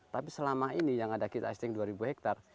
tapi selama ini yang ada kita istirahatkan dua hektar